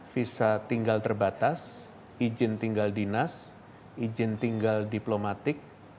visa tinggal terbatas izin tinggal dinas izin tinggal diplomatik